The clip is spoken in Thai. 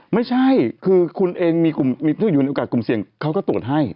ไม่ใช่คือคุณเองมีกลุ่มที่อยู่ในโอกาสกลุ่มเสี่ยงเขาก็ตรวจให้